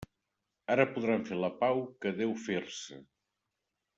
Ara podran fer la pau que deu fer-se.